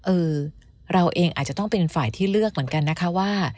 เออเราเองอาจจะต้องเป็นฝ่ายที่เลือกเหมือนกันนะคะว่า